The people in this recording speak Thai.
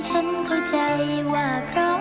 จัดรองโทษมาไม่ใหญ่เลยนะครับ